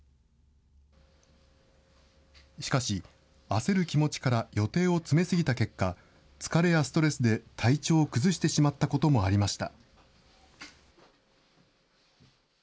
しかし、焦る気持ちから、予定を詰め過ぎた結果、疲れやストレスで体調を崩してしまったこともありました。